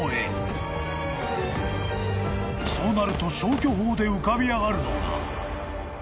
［そうなると消去法で浮かび上がるのが］